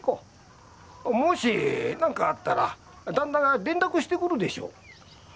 もしなんかあったら旦那が連絡してくるでしょう。